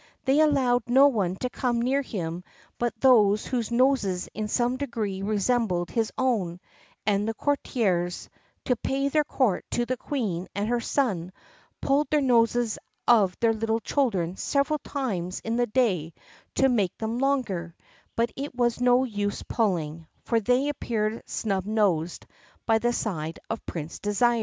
They allowed no one to come near him but those whose noses in some degree resembled his own, and the courtiers, to pay their court to the Queen and her son, pulled the noses of their little children several times in the day to make them longer; but it was no use pulling, for they appeared snub nosed by the side of Prince Désir.